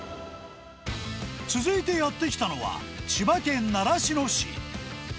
続いてやって来たのは、千葉県習志野市。